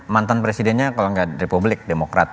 mantan presidennya kalau nggak republik demokrat